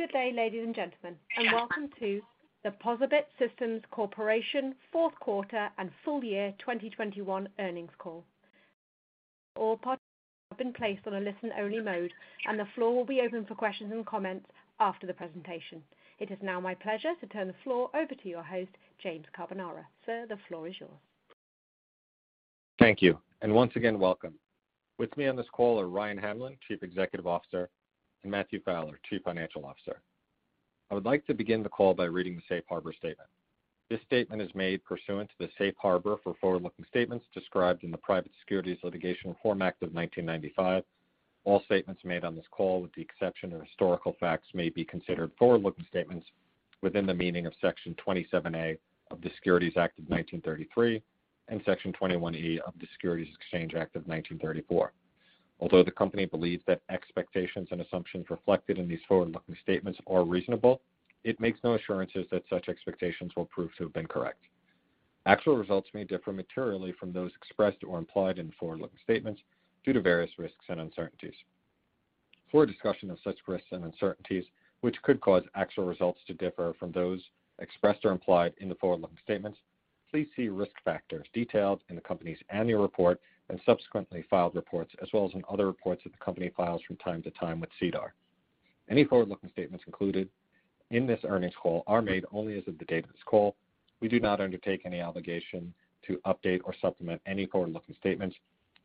Good day, ladies and gentlemen, and welcome to the POSaBIT Systems Corporation fourth quarter and full year 2021 earnings call. All parties have been placed on a listen-only mode, and the floor will be open for questions and comments after the presentation. It is now my pleasure to turn the floor over to your host, James Carbonara. Sir, the floor is yours. Thank you, and once again, welcome. With me on this call are Ryan Hamlin, Chief Executive Officer, and Matthew Fowler, Chief Financial Officer. I would like to begin the call by reading the safe harbor statement. This statement is made pursuant to the safe harbor for forward-looking statements described in the Private Securities Litigation Reform Act of 1995. All statements made on this call, with the exception of historical facts, may be considered forward-looking statements within the meaning of Section 27A of the Securities Act of 1933 and Section 21E of the Securities Exchange Act of 1934. Although the company believes that expectations and assumptions reflected in these forward-looking statements are reasonable, it makes no assurances that such expectations will prove to have been correct. Actual results may differ materially from those expressed or implied in forward-looking statements due to various risks and uncertainties. For a discussion of such risks and uncertainties, which could cause actual results to differ from those expressed or implied in the forward-looking statements, please see risk factors detailed in the company's annual report and subsequently filed reports, as well as in other reports that the company files from time to time with SEDAR. Any forward-looking statements included in this earnings call are made only as of the date of this call. We do not undertake any obligation to update or supplement any forward-looking statements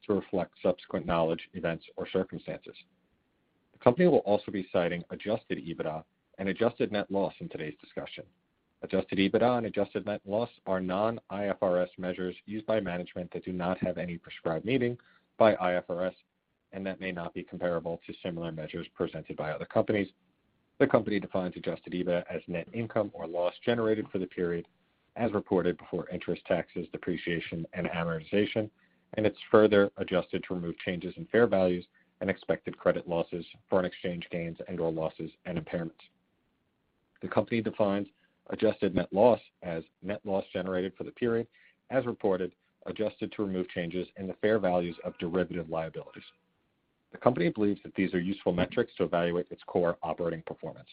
to reflect subsequent knowledge, events, or circumstances. The company will also be citing Adjusted EBITDA and adjusted net loss in today's discussion. Adjusted EBITDA and adjusted net loss are non-IFRS measures used by management that do not have any prescribed meaning by IFRS and that may not be comparable to similar measures presented by other companies. The company defines Adjusted EBITDA as net income or loss generated for the period as reported before interest, taxes, depreciation, and amortization, and it's further adjusted to remove changes in fair values and expected credit losses, foreign exchange gains and/or losses, and impairments. The company defines adjusted net loss as net loss generated for the period as reported, adjusted to remove changes in the fair values of derivative liabilities. The company believes that these are useful metrics to evaluate its core operating performance.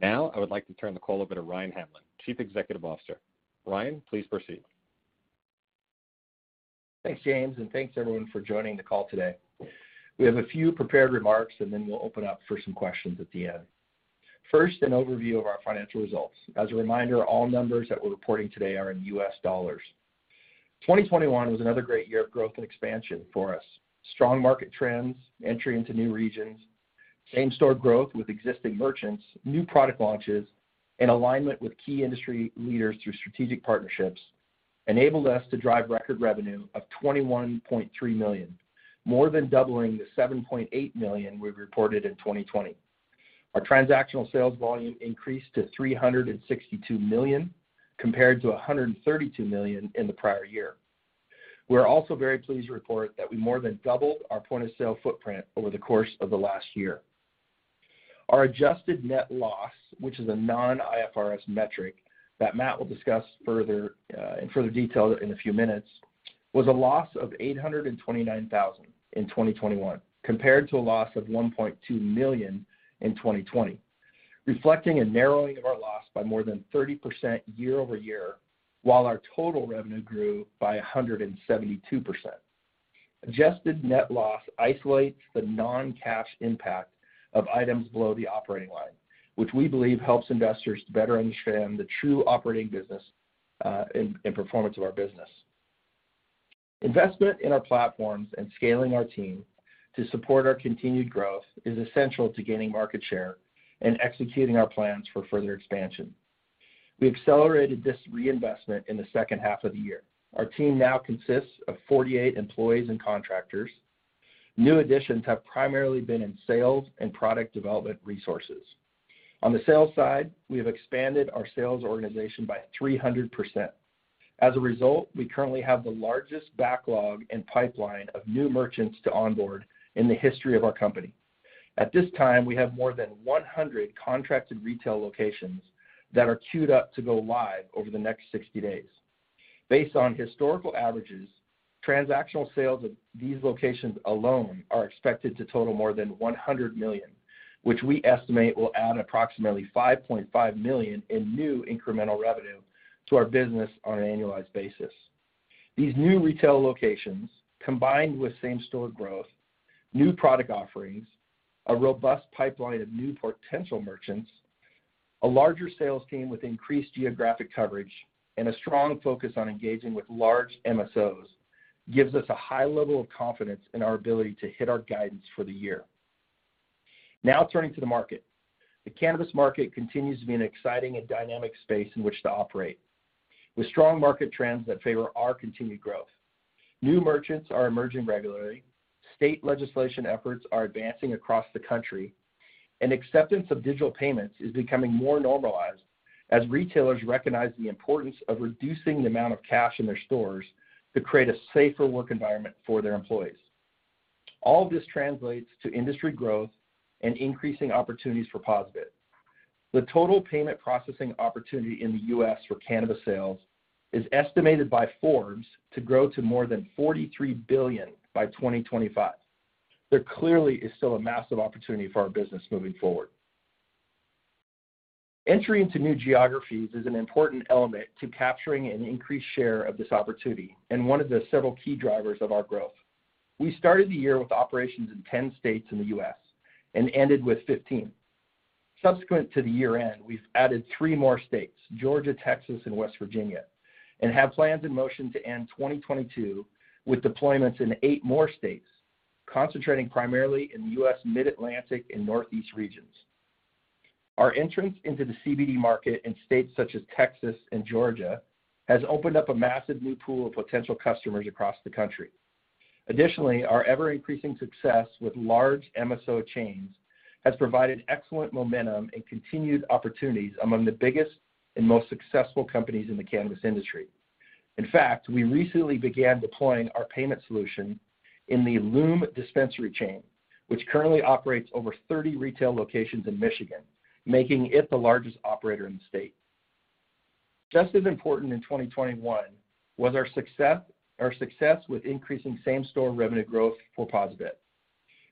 Now, I would like to turn the call over to Ryan Hamlin, Chief Executive Officer. Ryan, please proceed. Thanks, James, and thanks everyone for joining the call today. We have a few prepared remarks, and then we'll open up for some questions at the end. First, an overview of our financial results. As a reminder, all numbers that we're reporting today are in U.S. dollars. 2021 was another great year of growth and expansion for us. Strong market trends, entry into new regions, same-store growth with existing merchants, new product launches, and alignment with key industry leaders through strategic partnerships enabled us to drive record revenue of $21.3 million, more than doubling the $7.8 million we've reported in 2020. Our transactional sales volume increased to $362 million, compared to $132 million in the prior year. We're also very pleased to report that we more than doubled our point-of-sale footprint over the course of the last year. Our adjusted net loss, which is a non-IFRS metric that Matt will discuss further in further detail in a few minutes, was a loss of $829,000 in 2021, compared to a loss of $1.2 million in 2020, reflecting a narrowing of our loss by more than 30% year-over-year, while our total revenue grew by 172%. Adjusted net loss isolates the non-cash impact of items below the operating line, which we believe helps investors to better understand the true operating business and performance of our business. Investment in our platforms and scaling our team to support our continued growth is essential to gaining market share and executing our plans for further expansion. We accelerated this reinvestment in the second half of the year. Our team now consists of 48 employees and contractors. New additions have primarily been in sales and product development resources. On the sales side, we have expanded our sales organization by 300%. As a result, we currently have the largest backlog and pipeline of new merchants to onboard in the history of our company. At this time, we have more than 100 contracted retail locations that are queued up to go live over the next 60 days. Based on historical averages, transactional sales at these locations alone are expected to total more than $100 million, which we estimate will add approximately $5.5 million in new incremental revenue to our business on an annualized basis. These new retail locations, combined with same-store growth, new product offerings, a robust pipeline of new potential merchants, a larger sales team with increased geographic coverage, and a strong focus on engaging with large MSOs, gives us a high level of confidence in our ability to hit our guidance for the year. Now, turning to the market. The cannabis market continues to be an exciting and dynamic space in which to operate. With strong market trends that favor our continued growth, new merchants are emerging regularly, state legislation efforts are advancing across the country, and acceptance of digital payments is becoming more normalized as retailers recognize the importance of reducing the amount of cash in their stores to create a safer work environment for their employees. All of this translates to industry growth and increasing opportunities for POSaBIT. The total payment processing opportunity in the U.S. for cannabis sales is estimated by Forbes to grow to more than $43 billion by 2025. There clearly is still a massive opportunity for our business moving forward. Entering into new geographies is an important element to capturing an increased share of this opportunity and one of the several key drivers of our growth. We started the year with operations in 10 states in the U.S. and ended with 15. Subsequent to the year-end, we've added three more states, Georgia, Texas, and West Virginia, and have plans in motion to end 2022 with deployments in eight more states, concentrating primarily in the U.S. Mid-Atlantic and Northeast regions. Our entrance into the CBD market in states such as Texas and Georgia has opened up a massive new pool of potential customers across the country. Additionally, our ever-increasing success with large MSO chains has provided excellent momentum and continued opportunities among the biggest and most successful companies in the cannabis industry. In fact, we recently began deploying our payment solution in the Lume dispensary chain, which currently operates over 30 retail locations in Michigan, making it the largest operator in the state. Just as important in 2021 was our success with increasing same-store revenue growth for POSaBIT.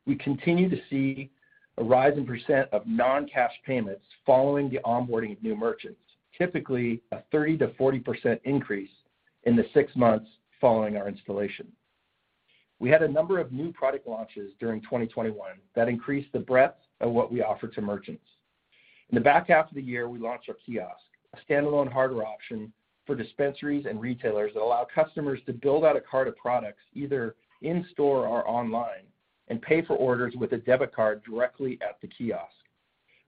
We continue to see a rise in percent of non-cash payments following the onboarding of new merchants, typically a 30%-40% increase in the six months following our installation. We had a number of new product launches during 2021 that increased the breadth of what we offer to merchants. In the back half of the year, we launched our kiosk, a standalone hardware option for dispensaries and retailers that allow customers to build out a cart of products either in store or online and pay for orders with a debit card directly at the kiosk.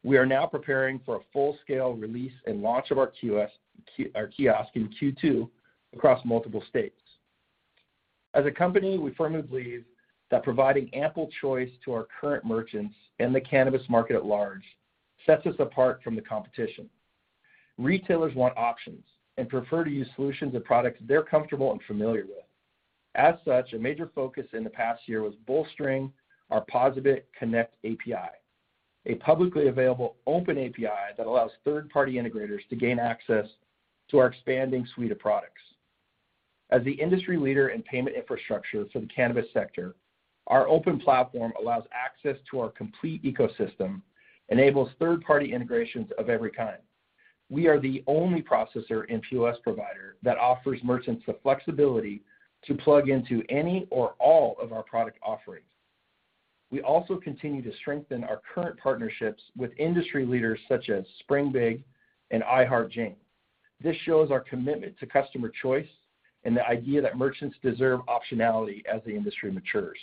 We are now preparing for a full-scale release and launch of our kiosk in Q2 across multiple states. As a company, we firmly believe that providing ample choice to our current merchants and the cannabis market at large sets us apart from the competition. Retailers want options and prefer to use solutions and products they're comfortable and familiar with. As such, a major focus in the past year was bolstering our POSaBIT Connect API, a publicly available open API that allows third-party integrators to gain access to our expanding suite of products. As the industry leader in payment infrastructure for the cannabis sector, our open platform allows access to our complete ecosystem, enables third-party integrations of every kind. We are the only processor and POS provider that offers merchants the flexibility to plug into any or all of our product offerings. We also continue to strengthen our current partnerships with industry leaders such as Springbig and I Heart Jane. This shows our commitment to customer choice and the idea that merchants deserve optionality as the industry matures.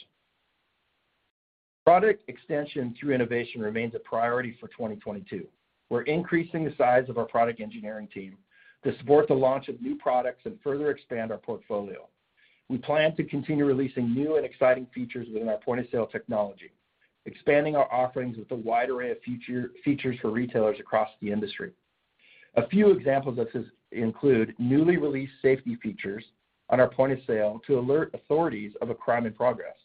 Product extension through innovation remains a priority for 2022. We're increasing the size of our product engineering team to support the launch of new products and further expand our portfolio. We plan to continue releasing new and exciting features within our point-of-sale technology, expanding our offerings with a wide array of features for retailers across the industry. A few examples of this include newly released safety features on our point of sale to alert authorities of a crime in progress,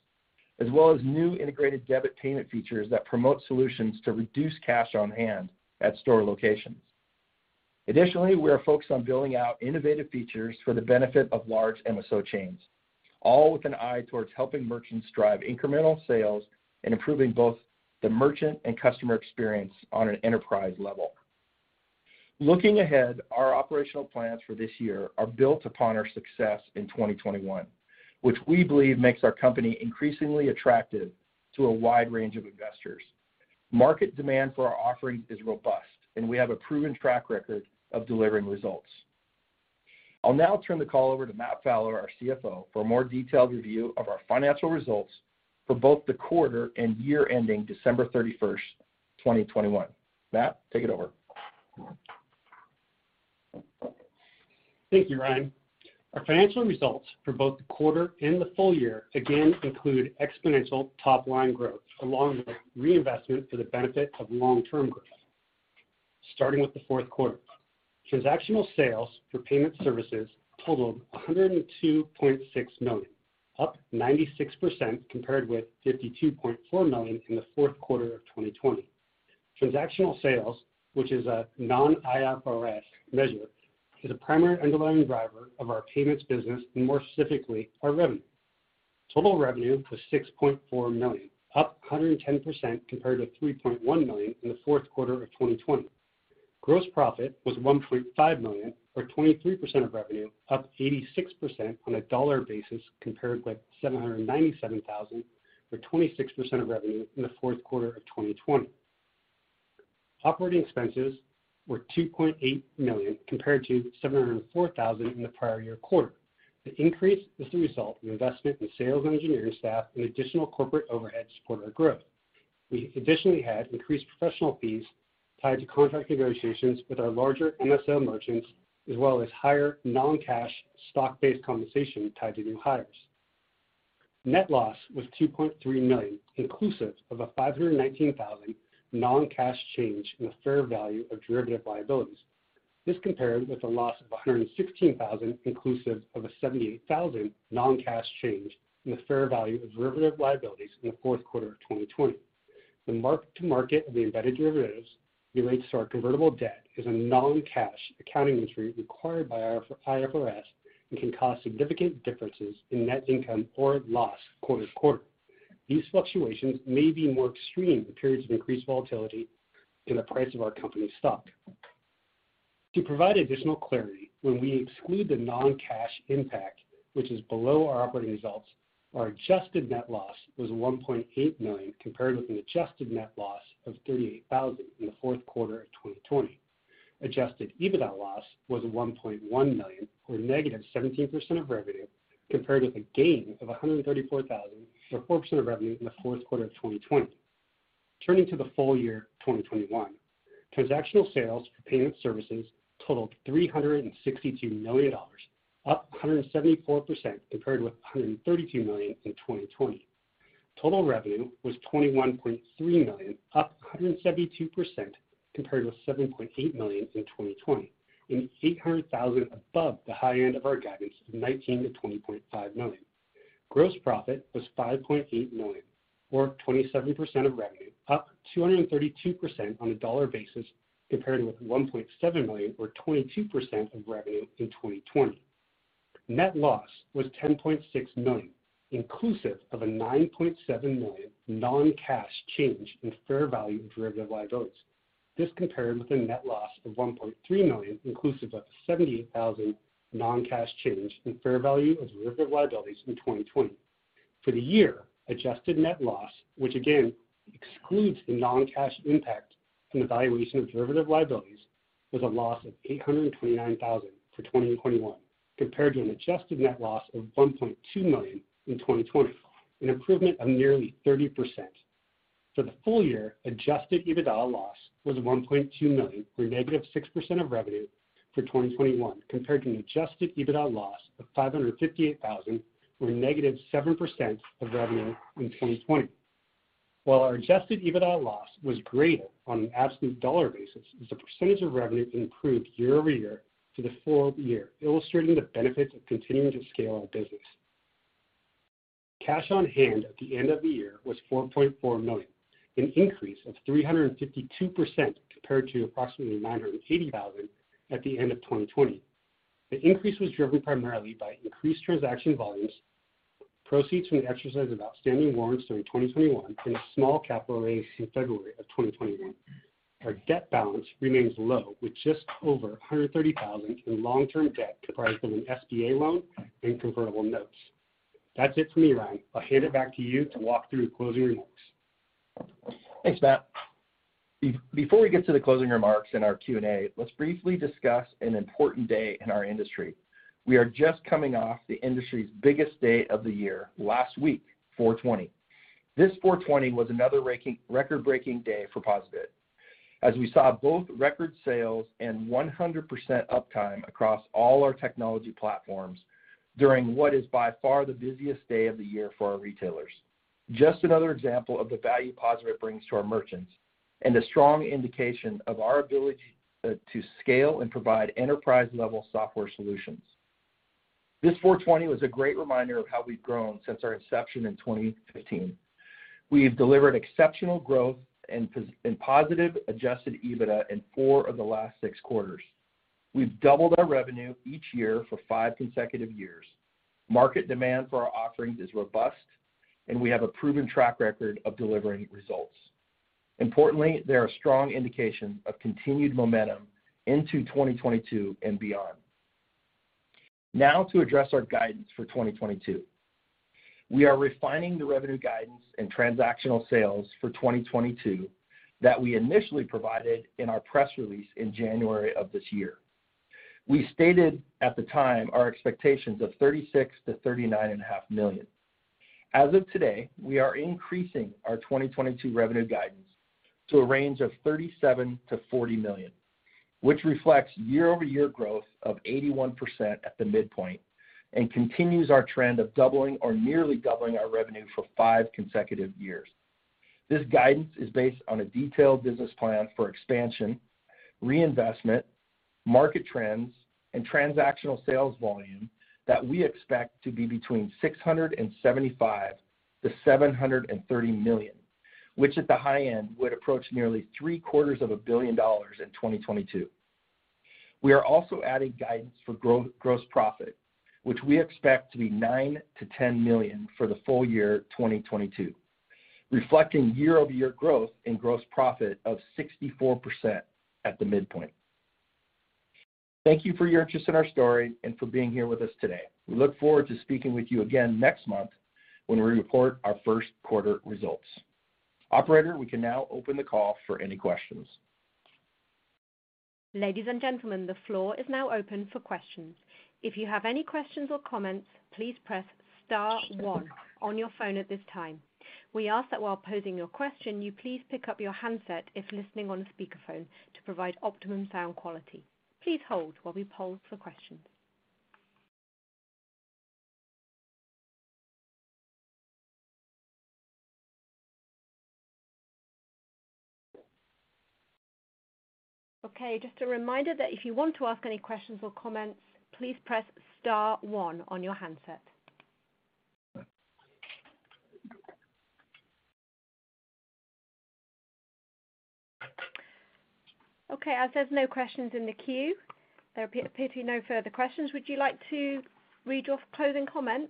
as well as new integrated debit payment features that promote solutions to reduce cash on hand at store locations. Additionally, we are focused on building out innovative features for the benefit of large MSO chains, all with an eye towards helping merchants drive incremental sales and improving both the merchant and customer experience on an enterprise level. Looking ahead, our operational plans for this year are built upon our success in 2021, which we believe makes our company increasingly attractive to a wide range of investors. Market demand for our offerings is robust, and we have a proven track record of delivering results. I'll now turn the call over to Matthew Fowler, our CFO, for a more detailed review of our financial results for both the quarter and year ending December 31st, 2021. Matthew, take it over. Thank you, Ryan. Our financial results for both the quarter and the full year again include exponential top-line growth along with reinvestment for the benefit of long-term growth. Starting with the fourth quarter. Transactional sales for payment services totaled $102.6 million, up 96% compared with $52.4 million in the fourth quarter of 2020. Transactional sales, which is a non-IFRS measure, is a primary underlying driver of our payments business and more specifically, our revenue. Total revenue was $6.4 million, up 110% compared to $3.1 million in the fourth quarter of 2020. Gross profit was $1.5 million or 23% of revenue, up 86% on a dollar basis compared with $797,000 or 26% of revenue in the fourth quarter of 2020. Operating expenses were $2.8 million compared to $704,000 in the prior year quarter. The increase is the result of investment in sales and engineering staff and additional corporate overhead to support our growth. We additionally had increased professional fees tied to contract negotiations with our larger MSO merchants, as well as higher non-cash stock-based compensation tied to new hires. Net loss was $2.3 million, inclusive of a $519,000 non-cash change in the fair value of derivative liabilities. This compared with a loss of $116,000, inclusive of a $78,000 non-cash change in the fair value of derivative liabilities in the fourth quarter of 2020. The mark to market of the embedded derivatives relates to our convertible debt, is a non-cash accounting entry required by our IFRS and can cause significant differences in net income or loss quarter to quarter. These fluctuations may be more extreme in periods of increased volatility in the price of our company stock. To provide additional clarity, when we exclude the non-cash impact, which is below our operating results, our adjusted net loss was $1.8 million compared with an adjusted net loss of $38,000 in the fourth quarter of 2020. Adjusted EBITDA loss was $1.1 million, or -17% of revenue, compared with a gain of $134,000, or 4% of revenue in the fourth quarter of 2020. Turning to the full year 2021. Transactional sales for payment services totaled $362 million, up 174% compared with $132 million in 2020. Total revenue was $21.3 million, up 172% compared with $7.8 million in 2020 and $800,000 above the high end of our guidance of $19 million-$20.5 million. Gross profit was $5.8 million or 27% of revenue, up 232% on a dollar basis compared with $1.7 million or 22% of revenue in 2020. Net loss was $10.6 million, inclusive of a $9.7 million non-cash change in fair value of derivative liabilities. This compared with a net loss of $1.3 million, inclusive of a $78,000 non-cash change in fair value of derivative liabilities in 2020. For the year, adjusted net loss, which again excludes the non-cash impact from the valuation of derivative liabilities, was a loss of $829,000 for 2021, compared to an adjusted net loss of $1.2 million in 2020, an improvement of nearly 30%. For the full year, Adjusted EBITDA loss was $1.2 million, or -6% of revenue for 2021, compared to an Adjusted EBITDA loss of $558,000, or -7% of revenue in 2020. While our Adjusted EBITDA loss was greater on an absolute dollar basis, as a percentage of revenue improved year-over-year for the full year, illustrating the benefits of continuing to scale our business. Cash on hand at the end of the year was $4.4 million, an increase of 352% compared to approximately $980,000 at the end of 2020. The increase was driven primarily by increased transaction volumes, proceeds from the exercise of outstanding warrants during 2021, and a small capital raise in February of 2021. Our debt balance remains low with just over $130,000 in long-term debt comprised of an SBA loan and convertible notes. That's it for me, Ryan. I'll hand it back to you to walk through the closing remarks. Thanks, Matt. Before we get to the closing remarks and our Q&A, let's briefly discuss an important day in our industry. We are just coming off the industry's biggest day of the year, last week, 420. This 420 was another record-breaking day for POSaBIT, as we saw both record sales and 100% uptime across all our technology platforms during what is by far the busiest day of the year for our retailers. Just another example of the value POSaBIT brings to our merchants and a strong indication of our ability to scale and provide enterprise-level software solutions. This 420 was a great reminder of how we've grown since our inception in 2015. We have delivered exceptional growth and positive Adjusted EBITDA in four of the last six quarters. We've doubled our revenue each year for five consecutive years. Market demand for our offerings is robust, and we have a proven track record of delivering results. Importantly, there are strong indications of continued momentum into 2022 and beyond. Now, to address our guidance for 2022. We are refining the revenue guidance and transactional sales for 2022 that we initially provided in our press release in January of this year. We stated at the time our expectations of $36 million-$39.5 million. As of today, we are increasing our 2022 revenue guidance to a range of $37 million-$40 million, which reflects year-over-year growth of 81% at the midpoint and continues our trend of doubling or nearly doubling our revenue for five consecutive years. This guidance is based on a detailed business plan for expansion, reinvestment, market trends, and transactional sales volume that we expect to be between $675 million to $730 million, which at the high end would approach nearly three-quarters of a billion dollars in 2022. We are also adding guidance for gross profit, which we expect to be $9 million-$10 million for the full year 2022, reflecting year-over-year growth in gross profit of 64% at the midpoint. Thank you for your interest in our story and for being here with us today. We look forward to speaking with you again next month when we report our first quarter results. Operator, we can now open the call for any questions. Ladies and gentlemen, the floor is now open for questions. If you have any questions or comments, please press star one on your phone at this time. We ask that while posing your question, you please pick up your handset if listening on a speakerphone to provide optimum sound quality. Please hold while we poll for questions. Okay, just a reminder that if you want to ask any questions or comments, please press star one on your handset. Okay, as there's no questions in the queue, there appear to be no further questions. Would you like to read your closing comments?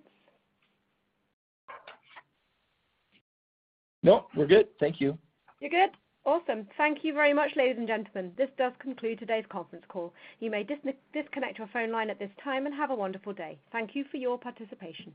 No, we're good. Thank you. You're good? Awesome. Thank you very much, ladies and gentlemen. This does conclude today's conference call. You may disconnect your phone line at this time and have a wonderful day. Thank you for your participation.